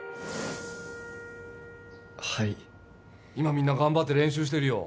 はい今みんな頑張って練習してるよ